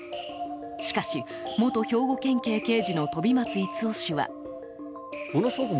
しかし、元兵庫県警刑事の飛松五男氏は。